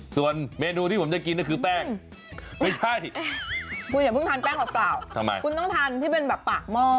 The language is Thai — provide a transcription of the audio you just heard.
ส่วนเมนูที่ผมจะกินก็คือแป้งไม่ใช่คุณอย่าเพิ่งทานแป้งเปล่าทำไมคุณต้องทานที่เป็นแบบปากหม้อ